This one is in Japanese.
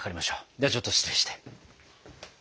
ではちょっと失礼して。